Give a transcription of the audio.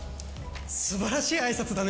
すばらしい挨拶だね。